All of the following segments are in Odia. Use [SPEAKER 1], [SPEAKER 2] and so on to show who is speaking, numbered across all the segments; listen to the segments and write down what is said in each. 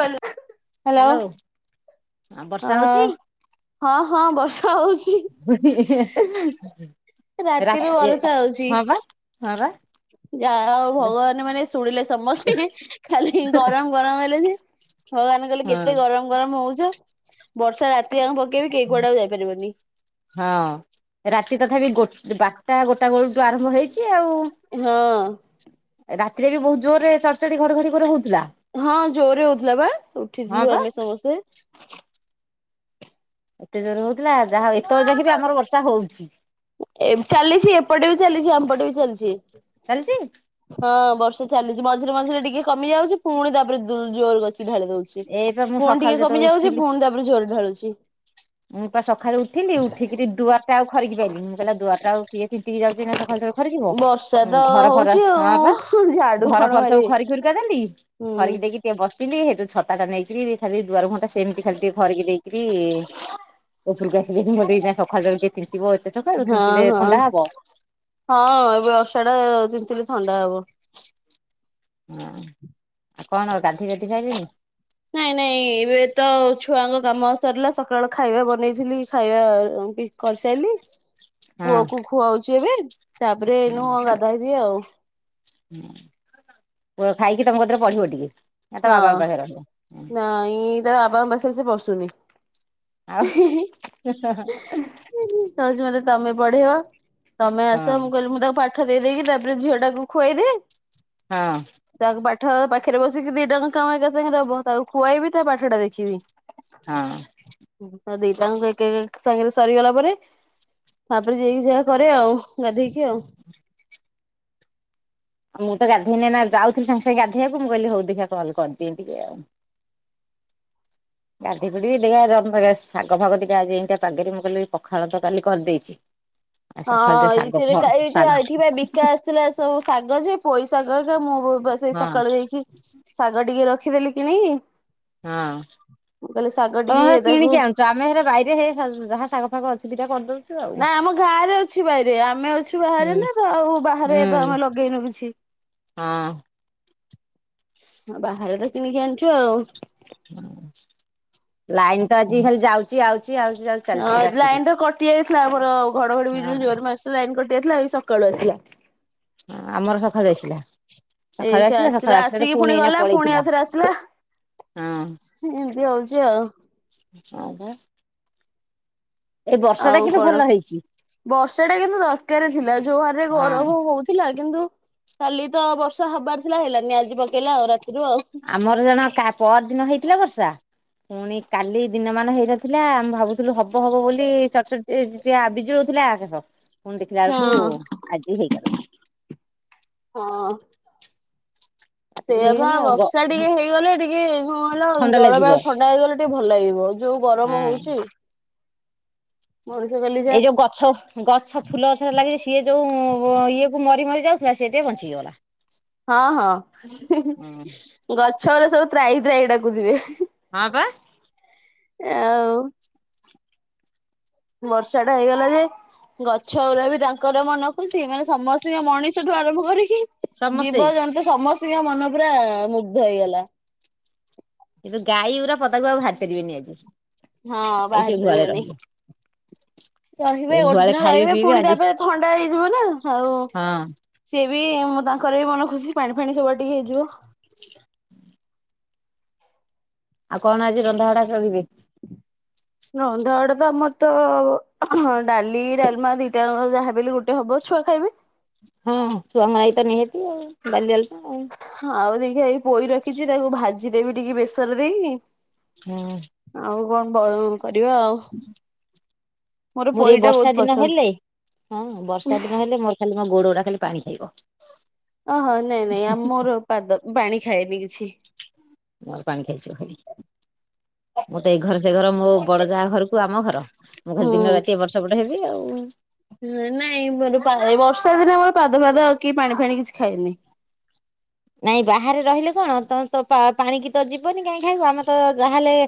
[SPEAKER 1] ଭଲ।
[SPEAKER 2] ହ୍ୟାଲୋ ଅ ବର୍ଷା ହଉଛି?
[SPEAKER 1] ହଁ ହଁ ବର୍ଷା ହଉଛି।
[SPEAKER 2] [unintelligible]
[SPEAKER 1] ରାତିରୁ
[SPEAKER 2] ରାତି
[SPEAKER 1] ବରଷା ହଉଛି
[SPEAKER 2] ହଁ ବା ହଁ ବା।
[SPEAKER 1] ଯାହା ହଉ
[SPEAKER 2] ହଁ
[SPEAKER 1] ଭଗବାନ ମାନେ ଶୁଣିଲେ ସମସ୍ତେ ଖାଲି ଗରମ ଗରମ ହେଲେ ଯେ ଭଗବାନ କହିଲେ କେତେ ଗରମ ଗରମ ହଉଛ ବର୍ଷା ରାତି ଆଙ୍କେ ପକେଇବି କେହି କୁଆଡେ ଯାଇପାରିବନି।
[SPEAKER 2] ହଁ ରାତି ତଥାପି ଗୋ ବାରଟା ଗୋଟାକ ବେଳଠୁ ଆରମ୍ଭ ହେଇଛି ଆଉ।
[SPEAKER 1] ହଁ।
[SPEAKER 2] ରାତିରେ ବି ବହୁତ ଜୋର ରେ ଚଡଚଡି ଘଡଘଡି ଘୋର ହଉଥିଲା।
[SPEAKER 1] ହଁ ଜୋରରେ ହଉଥିଲା ବା
[SPEAKER 2] ହଁ
[SPEAKER 1] ଉଠିଥିଲୁ
[SPEAKER 2] ବା
[SPEAKER 1] ଆମେ ସମସ୍ତେ।
[SPEAKER 2] ଏତେ ଜୋର ହଉଥିଲା ଯାହା ହଉ ଏତେବେଳେ ଯାକି ବି ଆମର ବର୍ଷା ହଉଛି।
[SPEAKER 1] ଏ ଚାଲିଛି ଏପଟେ ବି ଚାଲିଛି ଆମପଟେ ବି ଚାଲିଛି।
[SPEAKER 2] ଚାଲିଛି?
[SPEAKER 1] ହଁ ବର୍ଷା ଚାଲିଛି ମଝିରେ ମଝିରେ ଟିକେ କମି ଯାଉଛି ପୁଣି ତାପରେ ଜୁଲ ଜୋର କସିକି ଢାଳି ଦଉଛି। ଛି
[SPEAKER 2] ଏଇପା ମୁଁ
[SPEAKER 1] ପୁଣି
[SPEAKER 2] ସକାଳୁ
[SPEAKER 1] ଟିକେ
[SPEAKER 2] ଯେତେବେଳେ
[SPEAKER 1] କମି ଯାଉଛି
[SPEAKER 2] ଉଠିଲି
[SPEAKER 1] ପୁଣି ତାପରେ ଜୋରେ ଢାଳୁଛି।
[SPEAKER 2] ମୁଁ ପା ସକାଳେ ଉଠିଲି ଉଠିକିରି ଦୁଆ ଆଉ ଖରିିକି ପାଇଲିନି ମୁଁ କହିଲି ଆ ଦୁଆରଟା ଆଉ କିଏ ତୀନ୍ତିକି ଯାଉଛି ନା ସକାଳୁ ଟାରୁ ଖରିକିବ।
[SPEAKER 1] ବର୍ଷା ତ
[SPEAKER 2] ହୁଁ ଘର ଫର
[SPEAKER 1] ହଉଛି
[SPEAKER 2] ହଁ ବା
[SPEAKER 1] ଆଉ ଝାଡୁ
[SPEAKER 2] ଘର
[SPEAKER 1] କଣ
[SPEAKER 2] ଫର ସବୁ
[SPEAKER 1] ମାରିବି।
[SPEAKER 2] ଖରି ଖରୁକା ଦେଲି।
[SPEAKER 1] ହୁଁ
[SPEAKER 2] ଖରିକି ଦେଇକି ଟିକେ ବସିଲି ହେଇଠୁ ଛତା ଟା ନେଇକିରି ଖାଲି ଦୁଆର ମୁହଁଟା ସେମିତି ଖାଲି ଟିକେ ଖରିକି ଦେଇକି କି ଉପରକୁ ଆସିକି ମୋ ଦିଟା ସଖାଳ ଠାରୁ କିଏ ତିନ୍ତିବ ଏତେ ସକାଳୁ
[SPEAKER 1] ହଁ
[SPEAKER 2] ତିନ୍ତିଲେ
[SPEAKER 1] ହଁ
[SPEAKER 2] ଥଣ୍ଡା ହବ।
[SPEAKER 1] ହଁ ଏ ବର୍ଷାଟା ତିନ୍ତିଲେ ଥଣ୍ଡା ହବ।
[SPEAKER 2] ହଁ ଆଉ କଣ ଗାଧେଇ ପାଧି ସାଇଲେନି?
[SPEAKER 1] [unintelligible] ନାଇଁ ନାଇଁ ଏବେ ତ ଛୁଆଙ୍କ କାମ ସରିଲା ସକାଳ ଖାଇବା ବନେଇଥିଲି ଖାଇବା କରିସାଇଲି ପୁଅ
[SPEAKER 2] ହଁ
[SPEAKER 1] କୁ ଖୁଆଉଛି ଏବେ ତାପରେ ନୁହ ଗାଧାଇବି ଆଉ
[SPEAKER 2] ହୁଁ ପୁଅ ଖାଇକି ତମ ସାଥୀରେ ପଢିବ ଟିକେ? ନା ତା
[SPEAKER 1] ହଁ
[SPEAKER 2] ବାବାଙ୍କ ପାଖରେ ରହିବ।
[SPEAKER 1] ନାଇ ତା ବାବାଙ୍କ ପାଖରେ ସେ ବସୁନି
[SPEAKER 2] ଆଉ
[SPEAKER 1] କହୁଛି ମତେ ତମେ ପଢିଇବ ତମେ ଆସ
[SPEAKER 2] ହଁ
[SPEAKER 1] ମୁଁ କହିଲି ମୁଁ ତାକୁ ପାଠ ପାଠ ଦେଇଦେଇକି ତାପରେ ଝିଅ ଟାକୁ ଖୁଆଇ ଦିଏ
[SPEAKER 2] ହଁ।
[SPEAKER 1] ତାକୁ ପାଠ ପାଖରେ ବସିକି ଦି ଟଙ୍କା କାମ ଏକା ସାଙ୍ଗରେ ହବ ତାକୁ ଖୁଆଇବି ତା ପାଠ ଟା ଦେଖିବି।
[SPEAKER 2] ହଁ।
[SPEAKER 1] ହୁଁ ଦି ହାଙ୍କ ଏକ ଏକା ସାଙ୍ଗରେ ସରିଗଲା ପରେ ତାପରେ ଯାଇକି ଯାହା କରେ ଆଉ ଗାଧେଇକି ଆଉ
[SPEAKER 2] ମୁ ତ ଗାଧେଇନି ଏଇନା ଯାଉଥିଲି ସାଙ୍ଗ ସାଙ୍ଗେ ଗାଧେଇବକୁ ମୁଁ କହିଲି ହଉ ଦେଖିଆ କଲ କରିଦିଏ ଟିକେ ଆଉ ଗାଧେଇ ପଡିବି ଦେଖିଆ ଶାଗ ଭାଗ ଦିଟା ଆଜି ପା ଏମିତିଆ ପାଗରେ ମୁଁ କହଲିି ପଖାଳ ତ କାଲି କରିଦେଇଛି
[SPEAKER 1] ହଁ ଏଇଥିରେ ତ ଏଇ ଯୋଉ
[SPEAKER 2] ଶାଗ
[SPEAKER 1] ଏଠିକି ବା ବିକା ଆସ ଥିଲା ସବୁ ଶାଗ ଯେ ପୋଇ ଶାଗ ଯେ ମୁଁ ବା ସେ
[SPEAKER 2] ହଁ
[SPEAKER 1] ସକାଳୁ ଯାଇକି ଶାଗ ଟିକେ ରଖିଦେଲି କିଣିକି
[SPEAKER 2] ହଁ
[SPEAKER 1] ମୁଁ କହିଲି ଶାଗ
[SPEAKER 2] ତମେ
[SPEAKER 1] ଟିକେ
[SPEAKER 2] କଣ
[SPEAKER 1] ତାକୁ
[SPEAKER 2] କିଣିକି ଆଣୁ ଆମେ ହେରା ବାଇରେ ହେଇ ଶା ଯାହା ଶାଗ ଫାଗ ଅଛି ଦିଟା କରିଦଉଛୁ ଆଉ।
[SPEAKER 1] ନା ଆମ ଗାଁରେ ଅଛି ବାରିରେ ଆମେ ଅଛୁ ବାହାରେ
[SPEAKER 2] ହୁଁ
[SPEAKER 1] ନା ତ ଆଉ ବାହାରେ
[SPEAKER 2] ହୁଁ
[SPEAKER 1] ତ ଆମେ ଲଗେଇନୁ କିଛି
[SPEAKER 2] ହଁ।
[SPEAKER 1] ଆଉ ବାହାରେ ତ କିଣିକି ଆଛୁ ଆଉ
[SPEAKER 2] ହଁ ଲାଇନ ତ ଆଜି ଖାଲି ଯାଉଛି ଆଉଛି ଆଉଛି ଯାଉଛି
[SPEAKER 1] ହଁ
[SPEAKER 2] ଚାଲିଛି ରାତିରୁ।
[SPEAKER 1] ଲାଇନ ତ କଟି ଯାଇଥିଲା ଆମର ଘଡଘଡି ବିଜୁଳି
[SPEAKER 2] ହଁ।
[SPEAKER 1] ଜୋର ମାର ଲାଇନ କଟିଯାଇଥିଲା ଆଜି ସକାଳୁ ଆସିଲା।
[SPEAKER 2] ହ ଆମର ସଖାଳୁ ଆସିଲା। ସକାଳୁ
[SPEAKER 1] ଏଇାଠୁ
[SPEAKER 2] ସକାଳୁ
[SPEAKER 1] ଆସିଲା ଆସିକି ପୁଣି
[SPEAKER 2] ଏଇନା
[SPEAKER 1] ଗଲା ପୁଣି
[SPEAKER 2] ପଳେଇଥିଲା।
[SPEAKER 1] ଆଉଥରେ ଆସିଲା।
[SPEAKER 2] ହଁ
[SPEAKER 1] ଏମତି ହଉଛି ଆଉ
[SPEAKER 2] [inaudible] ଏଇ ବର୍ଷା ଟା
[SPEAKER 1] ଆଉ
[SPEAKER 2] କିନ୍ତୁ
[SPEAKER 1] କଣ
[SPEAKER 2] ଭଲ ହେଇଛି
[SPEAKER 1] ବର୍ଷା ଟା କିନ୍ତୁ ଦରକାର ଥିଲା ଯୋଉ ହାରରେ
[SPEAKER 2] ହଁ।
[SPEAKER 1] ଗରମ ହଉଥିଲା କିନ୍ତୁ କାଲି ତ ବର୍ଷା ହବାର ଥିଲା ହେଲାନି ଆଜି ପକେଇଲା ଆଉ ରାତିରୁ ଆଉ
[SPEAKER 2] ଆମର ଜଣ କା ପଅର ଦିନ ହେଇଥିଲା ବର୍ଷା ପୁଣି କାଲି ଦିନମାନ ହେଇନଥିଲା ଆମେ ଭାବୁଛ ଥିଲୁ ହବ ହବ ବୋଲି ଚଡ ଚଡ଼ି ବିଜୁଳି ହଉଥିଲା ଆକାଶ ପୁଣି ଦେଖିଲା ବେଳକୁ
[SPEAKER 1] ହଁ।
[SPEAKER 2] ଆଜି ହେଇଗଲା।
[SPEAKER 1] ହଁ।
[SPEAKER 2] କାଟିକୁଟି
[SPEAKER 1] ସେଇଆ ପା
[SPEAKER 2] ହେଇଗଲା ଆଉ
[SPEAKER 1] ବର୍ଷା ଟିକେ ହେଇଗଲେ ଟିକେ କଣ କହିଲ
[SPEAKER 2] ଥଣ୍ଡା ଲାଗିବ
[SPEAKER 1] ଜଳବାୟୁ ଥଣ୍ଡା ହେଇଗଲେ ଟିକେ ଭଲ ଲାଗିବ। ଯୋଉ
[SPEAKER 2] ହଁ
[SPEAKER 1] ଗରମ ହଉଛି ମଣିଷ ଖାଲି
[SPEAKER 2] ଏଇ ଯୋଉ ଗଛ ଗଛ ଫୁଲ ଗଛରେ ଲାଗିଛି ସିଏ ଯୋଉ ଇଏ କୁ ମରି ମରିଯାଉ
[SPEAKER 1] ହଁ ହଁ।
[SPEAKER 2] ହଁ
[SPEAKER 1] ଗଛ ଓରା ସବୁ ତ୍ରାହି ତ୍ରାହି ଡାକୁ ଥିବେ।
[SPEAKER 2] ହଁ ପା।
[SPEAKER 1] ଆଉ ବର୍ଷାଟା ହେଇଗଲା ଯେ ଗଛ ଉରା ବି ତାଙ୍କର ମନ ଖୁସି ମାନେ ସମସ୍ତିଙ୍କ ମଣିଷଠୁ ଆରମ୍ଭ କରିକି
[SPEAKER 2] ସମସ୍ତେ
[SPEAKER 1] ଜୀବଜନ୍ତୁ ସମସ୍ତିଙ୍କ ମନ ପୁରା ମୁଗ୍ଧ ହେଇଗଲା।
[SPEAKER 2] ଏତ ଗାଈ ଉରା ପଦାକୁ ଆଉ ଭାରି ପାରିବେନି ଆଜି।
[SPEAKER 1] ହଁ
[SPEAKER 2] ଗାଈ ସେ
[SPEAKER 1] ବାହାରି
[SPEAKER 2] ଗୁହାଳେ
[SPEAKER 1] ପାରିବେନେଇ।
[SPEAKER 2] ରହିବେ ଏ
[SPEAKER 1] ରହିବେ ଗୋଟେ
[SPEAKER 2] ଗୁହାଳେ
[SPEAKER 1] ଦିନ
[SPEAKER 2] ଖାଇବେ
[SPEAKER 1] ରହିବେ
[SPEAKER 2] ପିଇବେ
[SPEAKER 1] ପୁଣି
[SPEAKER 2] ଆଜି
[SPEAKER 1] ତାପରେ ଥଣ୍ଡା ହେଇଯିବ ନାଁ ଆଉ
[SPEAKER 2] ହଁ
[SPEAKER 1] ସିଏ ବି ମୁଁ ତାଙ୍କର ବି ମନ ଖୁସି ପାଣି ଫାଣି ସବୁଆଡେ ଟିକେ ହେଇଯିବ।
[SPEAKER 2] ଆଉ କଣ ଆଜି ରନ୍ଧା ବଡା କରିବେ?
[SPEAKER 1] ରନ୍ଧା ବଡ଼ା ତ ଆମର ତ ଡାଲି ଡାଲମା ଦି ଟା ଆଙ୍କ ଯାହା ବି ହେଲେ ଗୋଟେ ହବ ଛୁଆ ଖାଇବେ।
[SPEAKER 2] ହଁ ହଁ ଛୁଆଙ୍କ ନାଇ ତ ନିହାତି ଆଉ ବାଲି ଆଲମା।
[SPEAKER 1] ହଁ ଆଉ ଦେଖିଆ ଏଇ ପୋଇ ରଖିଚି ତାକୁ ଭାଜି ଦେବି ଟିକେ ବେସର ଦେଇକି।
[SPEAKER 2] ହୁଁ।
[SPEAKER 1] ଆଉ କଣ ପ କରିବା ଆଉ।
[SPEAKER 2] ମୋର
[SPEAKER 1] ପୋଇ
[SPEAKER 2] ଏ
[SPEAKER 1] ଟା ବହୁତ
[SPEAKER 2] ବର୍ଷା ଦିନ
[SPEAKER 1] ପସନ୍ଦ।
[SPEAKER 2] ହେଲେ ହଁ ବର୍ଷା ଦିନ ହେଲେ ମୋର ଖାଲି ମୋ ଗୋଡ଼ ଉରା ଖାଲି ପାଣି ଖାଇବ।
[SPEAKER 1] ଓହୋ ନାଇଁ ନାଇଁ ଆ ମୋର ପାଦ ପାଣି ଖାଏନି କିଛି।
[SPEAKER 2] ମୋର ପାଣି ଖାଇଯିବ ଖାଲି। ମତେ ଏଇ ଘର ସେ ଘର ମୋ ବଡ଼ ଯାଆ ଘରୁକୁୁ ଆମ ଘର। ମୁଁ ଖାଲି
[SPEAKER 1] ହୁଁ
[SPEAKER 2] ଦିନ ରାତି ଏ ପଟ ସେ ପଟ ହେବି ଆଉ।
[SPEAKER 1] ହୁଁ ନାଇଁ ମୋର ପା ଏଇ ବର୍ଷା ଦିନେ ମୋର ପାଦ ଫାଦ କି ପାଣି ଫାଣି କିଛି ଖାଏନି।
[SPEAKER 2] ନାଇଁ ବାହାରେ ରହିଲେ କଣ ତମେ ତ ପା ପାଣିକି ତ ଯିବନି କାଇଁ ଖାଇବ ଆମେ ତ ଯାହେଲେ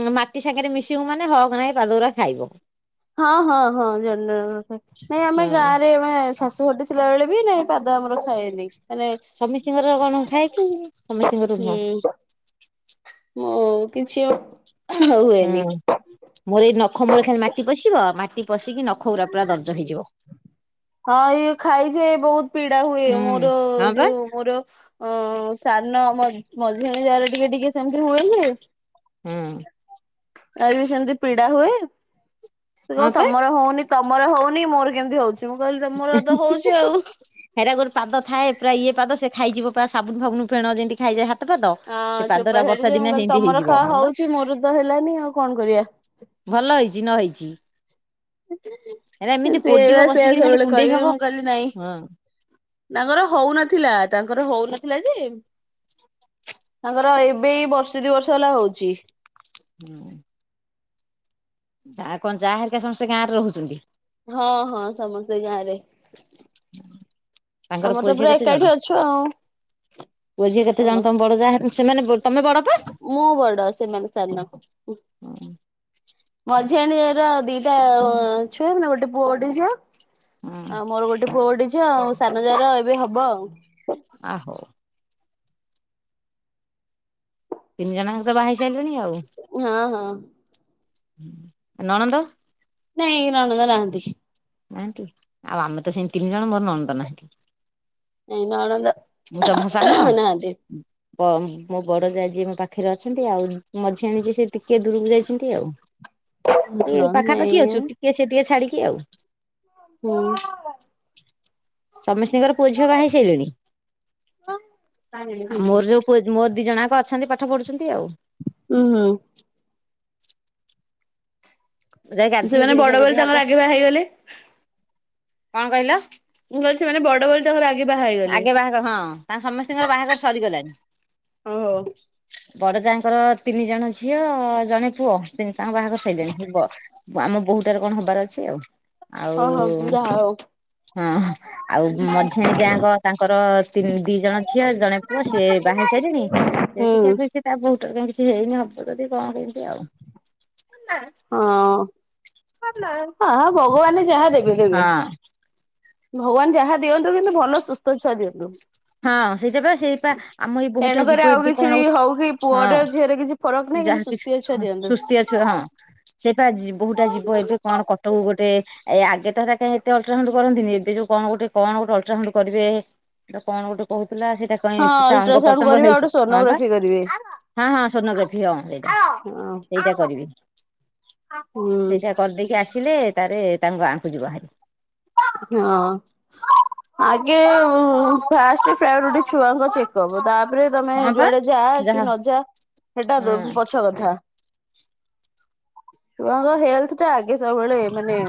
[SPEAKER 2] ଉଁ ମାଟି ସାଙ୍ଗେରେ ମିଶିବୁ ମାନେ ହକନାଗେ ପାଦ ଉରା ଖାଇବ।
[SPEAKER 1] ହଁ ହଁ ହଁ ଜଣ୍ଡର କଥା ନାଇଁ ଆମେ
[SPEAKER 2] ହଁ।
[SPEAKER 1] ଗାଁରେ ମେ ଶାଶୁ ହଟି ଥିଲା ବେଳେ ବି ନାଇଁ ପାଦ ଆମର ଖାଏନି। ମାନେ
[SPEAKER 2] ସମସ୍ତିଙ୍କର କଣ ଥାଏ କି ସମସ୍ତିଙ୍କର ନୁହଁ।
[SPEAKER 1] ହୁଁ। ମୋ କିଛି ଅ
[SPEAKER 2] ହୁଁ। ମୋର ଏଇ ନଖ ମୂଳେ ଖାଲି ମାଟି ପଶିବ ମାଟି ପଶିକି ନଖ ଉରା ପୁରା ଦର୍ଜ ହେଇଯିବ।
[SPEAKER 1] ହଁ ଏଇ ଖାଇଯାଏ ବୋହୁତ ପୀଡ଼ା ହୁଏ
[SPEAKER 2] ହୁଁ
[SPEAKER 1] ମୋର
[SPEAKER 2] ହଁ ପା
[SPEAKER 1] ଯୋଉ ମୋର ଅଁ ସାନ ମ ମଝିଆଣି ଯାଆରେ ଟିକେ ଟିକେ ସେମିତି ହୁଏ ଯେ
[SPEAKER 2] ହୁଁ।
[SPEAKER 1] ତାର ବି ସେମତି ପୀଡ଼ା ହୁଏ ସେ କଇବ
[SPEAKER 2] ହଁ ପା।
[SPEAKER 1] ତମର ହଉନି ତମର ହଉନି ମୋର କେମିତି ହଉଚି? ତେ ମୁଁ କହିଲି ତମର ତ ହୋଉଚି ଆଉ।
[SPEAKER 2] ହେରା ଗୋଟେ ପାଦଥାଏ ପୁରା ଇଏ ପାଦ ସେ ଖାଇଯିବ ପା ସାବୁନ ଫାବୁ ଫେଣ ଯେନ୍ତି ଖାଇଯାଏ ହା
[SPEAKER 1] ଅଁ ଚୋପା ଛାଡ଼ିଯିବ ମୁଁ କହିଲି ତମର
[SPEAKER 2] ହେଇଯିବ
[SPEAKER 1] ଖାଆ
[SPEAKER 2] ହଁ ବା
[SPEAKER 1] ହଉଚି ମୋର ତ ହେଲାନି ଆଉ କଣ କରିବା?
[SPEAKER 2] ଭଲ ହେଇଚି ନ ହେଇଚି।
[SPEAKER 1] ଇନ୍ତୁ ଏବେ
[SPEAKER 2] ପୋଡିବ
[SPEAKER 1] ସେ
[SPEAKER 2] କଷିକିରି ଖାଲି
[SPEAKER 1] ସବୁବେଳେ
[SPEAKER 2] କୁଣ୍ଡେଇ
[SPEAKER 1] କହିବେ
[SPEAKER 2] ହବ
[SPEAKER 1] ମୁଁ କହିଲି ନାଇଁ
[SPEAKER 2] ହଁ।
[SPEAKER 1] ତାଙ୍କର ହଉନଥିଲା ତାଙ୍କର ହଉନଥିଲା ଯେ ତାଙ୍କର ଏବେ ଏଇ ବର୍ଷେ ଦି ବର୍ଷ ହେଲା ହଉଚି।
[SPEAKER 2] ହୁଁ। ଆ କନ ଯାଆ ହେରିକା ସମସ୍ତେ ଗାଁରେ ରହୁଚନ୍ତି?
[SPEAKER 1] ହଁ ହଁ ସମସ୍ତେ ଗାଁରେ।
[SPEAKER 2] ହ ତାଙ୍କର
[SPEAKER 1] ତ
[SPEAKER 2] ପୁଅ ଝିଅ
[SPEAKER 1] ପୁରା
[SPEAKER 2] କେତେ
[SPEAKER 1] ଏକାଠି
[SPEAKER 2] ଜଣ
[SPEAKER 1] ଅଛୁ ଆଉ
[SPEAKER 2] ପୁଅଝିଅ କେତେ ଜଣ
[SPEAKER 1] ସମସ୍ତେ।
[SPEAKER 2] ତମ ବଡ ଯାଆ ଘର? ସେମାନେ ବ ତମେ ବଡ ତ?
[SPEAKER 1] ମୁଁ ବଡ ସେମାନେ ସାନ। ମଝିଆଣୀ ର ଦିଟା ଛୁଆ ଗୋଟେ ପୁଅ ଗୋଟେ ଝିଅ।
[SPEAKER 2] ହଁ
[SPEAKER 1] ଆଉ ମୋର ଗୋଟେ ପୁଅ ଗୋଟେ ଝିଅ ଆଉ ସାନ ଯାଆର ଏବେ ହବ ଆଉ।
[SPEAKER 2] ଆ ହୋ ତିନି ଜଣ ଯାକ ତ ବାହା ହେଇ ସାଇଲେଣି ଆଉ।
[SPEAKER 1] ହଁ ହଁ।
[SPEAKER 2] ଆ ନଣନ୍ଦ?
[SPEAKER 1] ନାଇଁ ନଣନ୍ଦ ନାହାନ୍ତିି କେହି।
[SPEAKER 2] ନାହାନ୍ତି, ଆଉ ଆମେ ତ ସେମିତି ତିନି ଜଣ ମୋର ନଣନ୍ଦ ନାହାଁନ୍ତି।
[SPEAKER 1] ନାଇଁ ନଣନ୍ଦ
[SPEAKER 2] ମୁଁ ସଭା ସାନ।
[SPEAKER 1] ନାହାନ୍ତି।
[SPEAKER 2] ତ ମୋ ବଡ ଯାଆ ଯିଏ ମୋ ପାଖରେ ଅଛନ୍ତି। ଆଉ ମଝିଆଣି ଯିଏ ସେ ଟିକେ ଦୂରକୁ ଯାଇଚନ୍ତି ଆଉ। ଏ ପାଖାପାଖି ଅଛୁ ଟିକେ ସେ ଟିକେ ଛାଡ଼ିକି ଆଉ।
[SPEAKER 1] ହୁଁ।
[SPEAKER 2] ସମସ୍ତିଙ୍କର ପୁଅଝିଅ ବାହା ହେଇ ସାଇଲେଣି? ମୋର ଯୋଉ ପୁଅ ମୋର ଦିଜଣ ଯାକ ଅଛନ୍ତି ପାଠ ପଢ଼ୁଛନ୍ତି ଆଉ।
[SPEAKER 1] ଉଁ ହୁଁ।
[SPEAKER 2] ମୁଁ ଯାଏ
[SPEAKER 1] ସେମାନେ
[SPEAKER 2] ଗାଧେଇକି ଦେଖିଆ
[SPEAKER 1] ବଡ ବୋଲି
[SPEAKER 2] ଯଦି
[SPEAKER 1] ତାଙ୍କର
[SPEAKER 2] ହବ।
[SPEAKER 1] ଆଗେ ବାହା ହେଇଗଲେ।
[SPEAKER 2] କଣ କହିଲ?
[SPEAKER 1] ମୁଁ କହିଲି ସେମାନେ ବଡ ବଡ୍ ତ ସେମାନେ ଆଗେ ବାହା ହେଇଗ
[SPEAKER 2] ଆଗେ ବାହାଘର ହଁ ତାଙ୍କ ସମସ୍ତିଙ୍କର ବାହାଘର ସରିଗଲାଣି।
[SPEAKER 1] ଓହୋ
[SPEAKER 2] ବଡ ଯାଆଙ୍କର ତିନି ଜଣ ଝିଅ ଜଣେ ପୁଅ ତିନି ତାଙ୍କ ବାହାଘର ସଇଲାଣି ସିବ। ତ ଆମ ବୋହୂଟାର କଣ ହବାର ଅଛି ଆଉ।
[SPEAKER 1] ଓ
[SPEAKER 2] ଆଉ
[SPEAKER 1] ହଉ ଯାହା ହଉ।
[SPEAKER 2] ହଁ ଆଉ ମଝିଆଣି ଯାଆ ଯାଆ ତାଙ୍କର ତିନି ଦି ଜଣ ଝିଅ ଜଣେ ପୁଅ ସିଏ ବାହା
[SPEAKER 1] ହୁଁ
[SPEAKER 2] ହେଇସାଇଲେଣି। ତା ବୋହୁଟାର କାଇଁ କିଛି ହେଇନି ହବ ଯଦି କଣ କେମିତି ଆଉ।
[SPEAKER 1] ହଁ ହଁ ଭଗବାନେ ଯାହା ଦେବେ।
[SPEAKER 2] ହଁ।
[SPEAKER 1] ଭଗବାନ୍ ଯାହା ଦିଅନ୍ତୁ କିନ୍ତୁ ଭଲ ସୁସ୍ଥ ଛୁଆ ଦିଅନ୍ତୁ।
[SPEAKER 2] ହଁ ସେଇଟା ବା ସେଇପା ଆମ ଏଇ ବୋହୂଟା
[SPEAKER 1] ତେଣୁକରି
[SPEAKER 2] ଯିବ
[SPEAKER 1] ଆଉ
[SPEAKER 2] ଏବେ
[SPEAKER 1] କିଛି
[SPEAKER 2] କଣ
[SPEAKER 1] ହଉ କି
[SPEAKER 2] ଗୋ
[SPEAKER 1] ପୁଅର
[SPEAKER 2] ହଁ।
[SPEAKER 1] ଝିଅରେ କିଛି ଫରକ ନାହିଁ କିନ୍ତୁ
[SPEAKER 2] ଯାହାକି
[SPEAKER 1] ସୁସ୍ଥିଆ ଛୁଆ ଦିଅନ୍ତୁ।
[SPEAKER 2] ସୁସ୍ତିଆ ଛୁଆ ଟି ହଁ ସେପା ଜି ବୋହୁଟା ଯିବ ଏବେ କଣ କଟ୍ ଟକ କୁ ଗୋଟେ ଏ ଆଗେ ତ ଏତେ ଅଲଟ୍ରାସାଉଣ୍ଡ କରନ୍ତିନି ଏବେ ଯୋଉ କଣ ଗୋଟେ କଣ ଗୋଟେ ଅଲଟ୍ରାସାଉଣ୍ଡ କରିବେ। ସେଟା କଣ ଗୋଟେ କହୁଥିଲା ସେଇଟା
[SPEAKER 1] ହଁ
[SPEAKER 2] କାଇଁ ତା ଅଙ୍ଗ
[SPEAKER 1] ଅଲଟ୍ରାସାଉଣ୍ଡ
[SPEAKER 2] ପ୍ରତଙ୍ଗ
[SPEAKER 1] କରିବେ ଆଉ ଗୋଟେ
[SPEAKER 2] ହେଇଚି ହଁ ବା।
[SPEAKER 1] ସୋନୋଗ୍ରାଫି କରିବେ
[SPEAKER 2] ହଁ ହଁ ସ୍ୱର୍ଣ୍ଣକାଠି ହଁ ସେଇଟା
[SPEAKER 1] ହଁ
[SPEAKER 2] ସେଇଟା କରିବେ।
[SPEAKER 1] ହୁଁ।
[SPEAKER 2] କରିଦେଇକି ଆସିଲେ ତାରେ ତାଙ୍କ ଗାଁକୁ ଯିବହାରି।
[SPEAKER 1] ହଁ। ଆଗେ ଫାଷ୍ଟ ପ୍ରାୟେରୁଟି ଛୁଆଙ୍କ ଚେକପ୍ ତା ଜରେ ତାପରେ ତମେ
[SPEAKER 2] ହଁ ପା
[SPEAKER 1] ଯୁଆଡେ ଯାଆ କି
[SPEAKER 2] ଯାହା
[SPEAKER 1] ନ ଯାଆ ସେଟା ଦୋ
[SPEAKER 2] ହଁ
[SPEAKER 1] ପଛ କଥା। ଛୁଆଙ୍କ ହେଲଥ୍ ଟା ଆଗେ ସବୁବେଳେ ମାନେ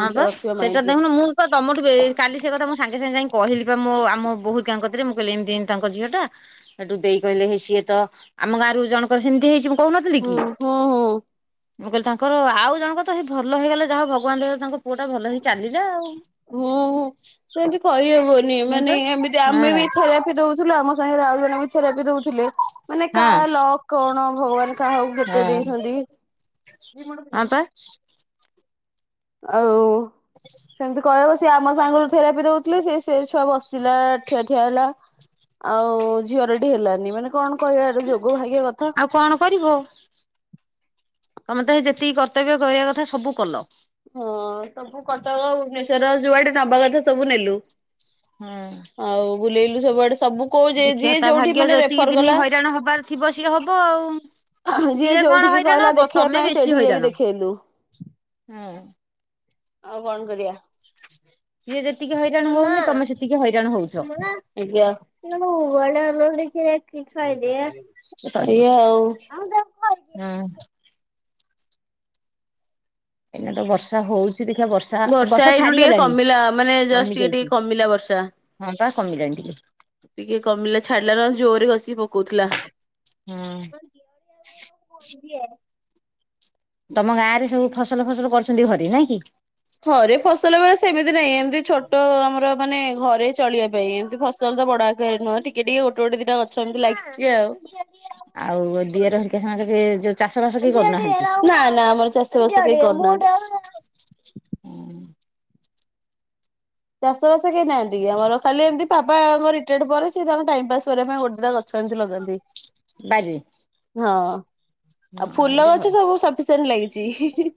[SPEAKER 2] ହଁ ବା
[SPEAKER 1] ରଖିବ
[SPEAKER 2] ସେଇଟା
[SPEAKER 1] ମାଇଣ୍ଡରେ
[SPEAKER 2] ଦେଖୁନୁ ମୁଁ କ ତମଠୁ ବେ କାଲି ସେ କଥା ମୁ ସାଙ୍ଗେ ସାଙ୍ଗେ ଯାଇକି କହିଲି ପା ମୋ ଆମ ବୋହୂ ହେରିକାଙ୍କ କତିରେ ମୁଁ କଇଲି ଏମିତି ଏମିତି ତାଙ୍କ ଝିଅ ଟା ସେଠୁ ଦେଇ କହିଲେ ହେ ସିଏ ତ ଆମ ଗାଁରୁ ଜଣଙ୍କର ସେମିତି ହେଇଚି ବୁ କହୁନଥିଲି
[SPEAKER 1] ହୁଁ
[SPEAKER 2] କି।
[SPEAKER 1] ହୁଁ ହୁଁ
[SPEAKER 2] ମୁଁ କହିଲି ତାଙ୍କର ଆଉ ଜଣଙ୍କର ତ ହେ ଭଲ ହେଇଗଲା ଯାହା ହୋଉ ଭଗବାନ ଦୟାରୁ। ତାଙ୍କ ପୁଅଟା ଭଲ ହେଇକି ଚାଲିଲା ଆଉ।
[SPEAKER 1] ହୁଁ ହୁଁ ସେମିତି କହିହବନି
[SPEAKER 2] ହଁ
[SPEAKER 1] ମାନେ
[SPEAKER 2] ପା
[SPEAKER 1] ଏମିତି
[SPEAKER 2] ହଁ
[SPEAKER 1] ଆମେ ବି
[SPEAKER 2] ହଁ
[SPEAKER 1] ଥରାପି ଦଉଛୁ। ଥିଲୁ। ଆମ ସାଙ୍ଗରେ ଆଉ ଜଣେ ବି ଥେରାପି ଦଉଥିଲେ। ମାନେ କା ଲକ୍ କଣ ଭଗବାନ କାହାକୁ କେତେ ଦେଇଛନ୍ତି। [inaudible]
[SPEAKER 2] ହାଁ ପା
[SPEAKER 1] ଆଉ ସେମିତି କହିବସ ସେ ଆମ ସାଙ୍ଗରୁ ଥେରାପି ଦଉଥିଲେ ସେ ସେ ଛୁଆ ବସିଲା ଠିଆ ଠିଆ ହେଲା ଆଉ ଝିଅରଠି ହେଲାନି ମାନେ କଣ କହିବା ଏଟେ ଯୋଗ ଭାଗ୍ୟ କଥା।
[SPEAKER 2] ଆଉ କଣ କରିବ? ତମେ ତ ହେ ଯେତିକି କର୍ତ୍ତବ୍ୟ କରିବା କଥା ସବୁ କଲ।
[SPEAKER 1] ହଁ ସବୁ କଟକ ଭୁବନେଶ୍ୱର ଯୁଆଡେ ନବା କଥା ସବୁ ନେଲୁ।
[SPEAKER 2] ହୁଁ
[SPEAKER 1] ଆଉ ବୁଲେଇଲୁ ସବୁଆଡେ ସବୁ କୋଉ
[SPEAKER 2] ଦେଖିବା
[SPEAKER 1] ଯିଏ
[SPEAKER 2] ତା
[SPEAKER 1] ଯୋଉଠି
[SPEAKER 2] ଭାଗ୍ୟ
[SPEAKER 1] ମାନେ
[SPEAKER 2] ଯେତିକି
[SPEAKER 1] ରେଫର
[SPEAKER 2] ଦିନି
[SPEAKER 1] କଲା
[SPEAKER 2] ହଇରାଣ ହବାର ଥିବ ସିଏ ହବ ଆଉ।
[SPEAKER 1] ଯିଏ
[SPEAKER 2] ସିଏ କଣ
[SPEAKER 1] ଯୋଉଠିକି
[SPEAKER 2] ହଇରାଣ
[SPEAKER 1] କହିଲା
[SPEAKER 2] ହବ
[SPEAKER 1] ଦେଖେଇବା
[SPEAKER 2] ତମେ
[SPEAKER 1] ପାଇଁ
[SPEAKER 2] ବେଶୀ
[SPEAKER 1] ସେଇଠିକି ଯାଇକି
[SPEAKER 2] ହଇରାଣ
[SPEAKER 1] ଦେଖେଇଲୁ।
[SPEAKER 2] ହୁଁ।
[SPEAKER 1] ଆଉ ବନ୍ଦ କରିବା।
[SPEAKER 2] ଯିଏ ଯେତିକି ହଇରାଣ ହଉନି ତମେ ସେତିକି ହଇରାଣ ହଉଛ।
[SPEAKER 1] ଆଜ୍ଞା
[SPEAKER 2] ସେ ଚଳିବ।
[SPEAKER 1] [inaudible] [inaudible]
[SPEAKER 2] ହୁଁ ଏଇନା ତ ବର୍ଷା ହଉଛି। ଏଠି ଦେଖିବା ବର୍ଷା ବର୍ଷା
[SPEAKER 1] ଏଇନୁ ଟିକେ
[SPEAKER 2] ଛାଡିଗଲାଣି
[SPEAKER 1] କମିଲା ମାନେ ଜଷ୍ଟ
[SPEAKER 2] କମି
[SPEAKER 1] ଟିକେ ଟିକେ
[SPEAKER 2] ଯାଇଛି।
[SPEAKER 1] କମିଲା ବର୍ଷା।
[SPEAKER 2] ହଁ ପା କମିିଲାଣି ଟିକେ।
[SPEAKER 1] ଟିକେ କମିଲା ଛାଡିଲା ନା ଜୋରରେ ଗଷି ପକୋଉଥିଲା
[SPEAKER 2] ହୁଁ।
[SPEAKER 1] ହୁଁ [inaudible]
[SPEAKER 2] ତମ ଗାଁ ରେ ସବୁ ଫସଲ ଫସଲ କରୁଛନ୍ତି ଘରେ ନାଇଁ କି।
[SPEAKER 1] ଥରେ ଫସଲ ବେଳେ ସେମିତି ନାହିଁ ଏମିତି ଛୋଟ ଆମର ମାନେ ଘରେ ଚଳିବା ପାଇଁ ଏମିତି ଫସ ତମ ତ ବଡ ଆକାରରେ ନୁହଁ ଟିକେ ଟିକେ ଗୋଟେ ଗୋଟେ ଦିଟା ଗଛ ଏମିତି ଲାଗିଛି ଆଉ।
[SPEAKER 2] ଆଉ ଦିଅର ହେରିକା ସାଙ୍ଗଯେ ଯୋଉ ଚାଷ ବାସ କେହି କରୁନାହାନ୍ତି?
[SPEAKER 1] ନା ନା ଆମର ଚାଷ ବାସ କେହି କରୁନାହାଁନ୍ତି। ଚାଷବାସ କେହି ନାହାନ୍ତି କି ଆମର କାଲି ଏମିତି ବାପା ଆମ ରିଟାୟାର୍ଡ ପରେ ସିଏ ତାଙ୍କର ଟାଇମ ପାସ୍ କରିବା ପାଇଁ ଗୋଟେ ଦୁଇଟା ଗଛ ସେମିତି ଲଗାନ୍ତି?
[SPEAKER 2] ବାଜିି
[SPEAKER 1] ହଁ ଆଉ ଫୁଲ
[SPEAKER 2] ଭଲ
[SPEAKER 1] ଗଛ ସବୁ ସଫିସେଣ୍ଟ ଲାଗିଛି।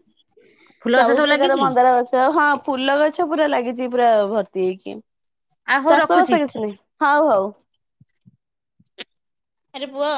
[SPEAKER 2] ଫୁଲ ଗଛ
[SPEAKER 1] ସବୁ ପ୍ରକାର
[SPEAKER 2] ଲାଗିଛି
[SPEAKER 1] ମନ୍ଦାର ଗଛ ହଁପ ଫୁଲ ଗଛ ପୁରା ଲାଗିଛି ପୁରା ଭର୍ତ୍ତି ହେଇକି
[SPEAKER 2] ଆଉ ହଉ
[SPEAKER 1] ଚାଷ
[SPEAKER 2] ରଖୁଛି।
[SPEAKER 1] ବାସ କିଛି ନାହିଁ। ହଉ ହଉ ଆରେ ପୁଅ